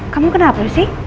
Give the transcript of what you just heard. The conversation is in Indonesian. kamu kenapa sih